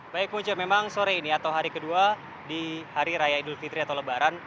baik punca memang sore ini atau hari kedua di hari raya idul fitri atau lebaran